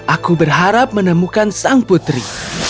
aku berharap menemukan sang putri